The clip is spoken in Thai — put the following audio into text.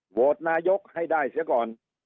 โหวตนายกให้ได้เสียก่อน